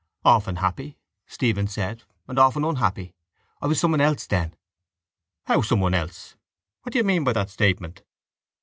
—Often happy, Stephen said, and often unhappy. I was someone else then. —How someone else? What do you mean by that statement?